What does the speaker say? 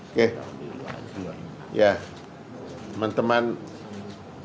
oke terima kasih